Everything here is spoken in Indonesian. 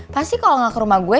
pasti kalo gak ke rumah gue